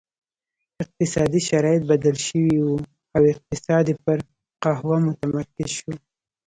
اقتصادي شرایط بدل شوي وو او اقتصاد یې پر قهوه متمرکز شو.